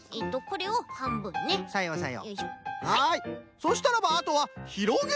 そうしたらばあとはひろげるだけ！